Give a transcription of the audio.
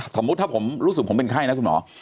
สมมุติถ้าผมรู้สึกผมเป็นไข้นะคุณหมอ